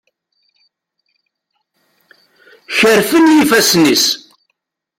Kerfen yifassen-is.